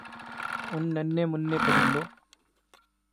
ان ننھے مننھے پرندوں